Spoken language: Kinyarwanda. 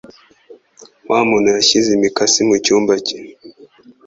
Wa muntu yashyize imikasi mu cyuma cye.